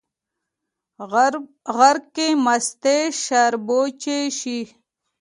غرک کې مستې شاربو، چې شي